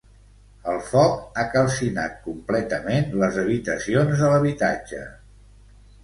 El foc ha calcinat completament les habitacions de l'habitatge.